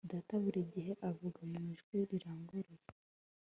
Data buri gihe avuga mu ijwi riranguruye